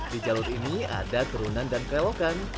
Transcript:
di jalur ini ada turunan dan kerelokan